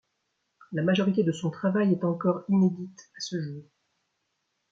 La majorité de son travail est encore inédite à ce jour.